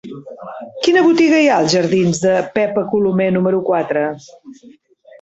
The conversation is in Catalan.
Quina botiga hi ha als jardins de Pepa Colomer número quatre?